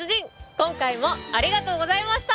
今回もありがとうございました！